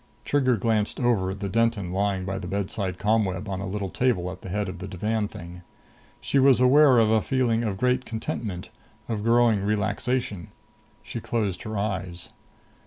Trigger glanced over at the Denton lying by the bedside ComWeb on a little table at the head of the divan thing. She was aware of a feeling of great contentment, of growing relaxation. She closed her eyes.